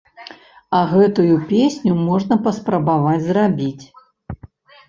А гэтую песню можна паспрабаваць зрабіць!